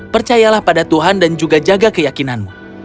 percayalah pada tuhan dan juga jaga keyakinanmu